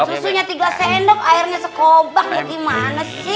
susunya tiga sendok airnya sekobak lagi mana sih